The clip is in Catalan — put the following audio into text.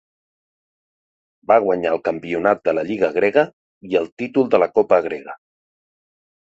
Va guanyar el campionat de la Lliga Grega, i el títol de la Copa Grega.